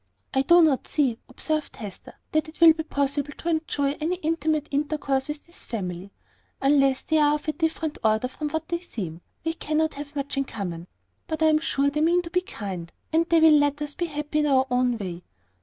"I do not see," observed Hester, "that it will be possible to enjoy any intimate intercourse with this family. Unless they are of a different order from what they seem, we cannot have much in common; but I am sure they mean to be kind, and they will let us be happy in our own way.